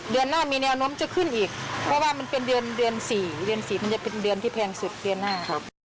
เดือนหน้ามีแนวโน้มจะขึ้นอีกเพราะว่ามันเป็นเดือนเดือน๔เดือน๔มันจะเป็นเดือนที่แพงสุดเดือนหน้า